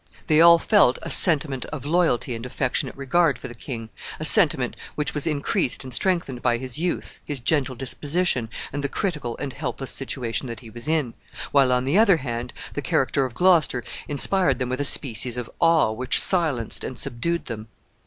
They all felt a sentiment of loyal and affectionate regard for the king a sentiment which was increased and strengthened by his youth, his gentle disposition, and the critical and helpless situation that he was in; while, on the other hand, the character of Gloucester inspired them with a species of awe which silenced and subdued them.